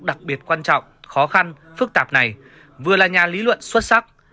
đặc biệt quan trọng khó khăn phức tạp này vừa là nhà lý luận xuất sắc